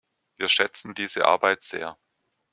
Wir schätzen diese Arbeit sehr.